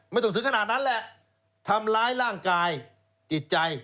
ถึงขนาดนั้นแหละทำร้ายร่างกายจิตใจ